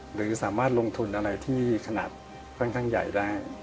หรือสามารถลงทุนอะไรที่ขนาดค่อนข้างใหญ่ได้